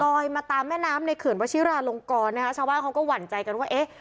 มาตามแม่น้ำในเขื่อนวชิราลงกรนะคะชาวบ้านเขาก็หวั่นใจกันว่าเอ๊ะ